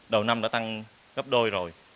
đầu năm đã tăng gấp đôi rồi